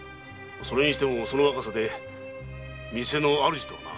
それにしてもその若さで店の主とはな。